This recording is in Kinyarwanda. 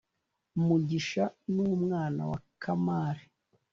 mugisha n'umwana wa kamali